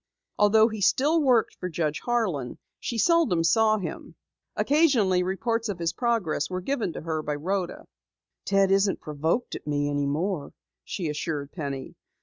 Although he still worked for Judge Harlan, she seldom saw him. Occasionally, reports of his progress were given to her by Rhoda. "Ted isn't provoked at me any more," she assured Penny.